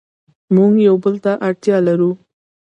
موږ یو بل ته اړتیا لرو.